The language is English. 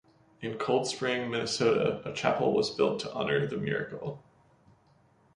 In Cold Spring, Minnesota, a chapel was built to honor the miracle.